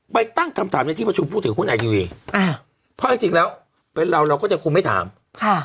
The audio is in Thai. ไปตั้งคำถามในที่ประชุมผู้ถือหุ้นไอทีวีอ่าเพราะจริงจริงแล้วเป็นเราเราก็จะคงไม่ถามค่ะ